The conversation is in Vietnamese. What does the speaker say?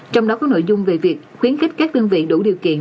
trong đó có nội dung về việc khuyến khích các đơn vị đủ điều kiện